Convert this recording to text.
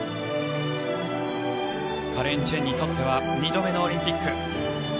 カレン・チェンにとっては２度目のオリンピック。